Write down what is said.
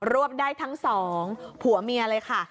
วบได้ทั้งสองผัวเมียเลยค่ะ